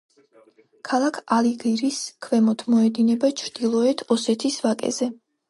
ქალაქ ალაგირის ქვემოთ მოედინება ჩრდილოეთ ოსეთის ვაკეზე.